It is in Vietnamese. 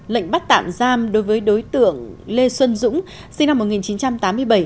lệnh bắt tạm giam đối với đối tượng lê xuân dũng sinh năm một nghìn chín trăm tám mươi bảy